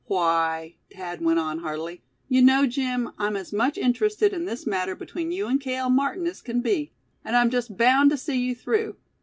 "Why," Thad went on, heartily, "you know, Jim, I'm as much interested in this matter between you and Cale Martin as can be. And I'm just bound to see you through.